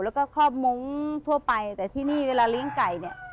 แล้วก็ครอบมุ้งทั่วไปแต่ที่นี่เวลาเลี้ยงไก่เนี่ย